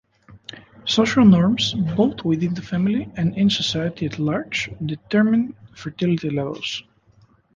Social norms both within the family and in society at large determine fertility levels.